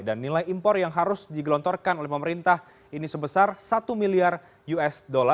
dan nilai impor yang harus digelontorkan oleh pemerintah ini sebesar satu miliar usd